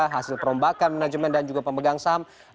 hasil perombakan manajemen dan juga pemegang saham